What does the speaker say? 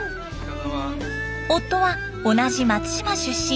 夫は同じ松島出身